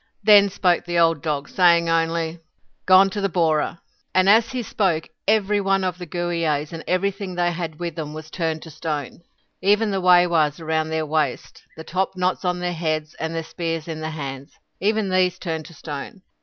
Then spoke the old dog, saying only: "Gone to the borah." And as he spoke every one of the Gooeeays and everything they had with them was turned to stone. Even the waywahs round their waists, the top knots on their heads, and the spears in their hands, even these turned to stone.